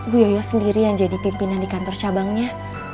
bu yoyo sendiri yang jadi pimpinan di kantor cabangnya